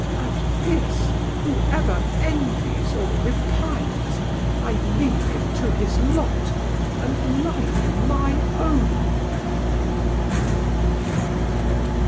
At this who ever envies or repines I leave him to his lot, and like my own.